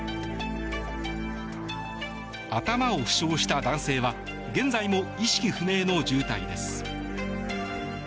頭を負傷した男性は現在も意識不明の重体です。